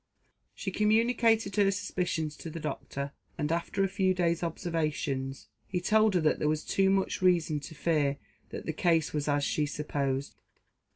She communicated her suspicions to the doctor, and after a few days' observations, he told her that there was too much reason to fear that the case was as she supposed.